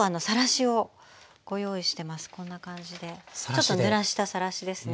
ちょっとぬらしたさらしですね。